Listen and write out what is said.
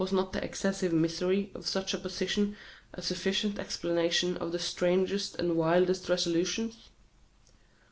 Was not the excessive misery of such a position a sufficient explanation of the strangest and wildest resolutions?